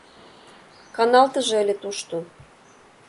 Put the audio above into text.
— Каналтыже ыле тушто.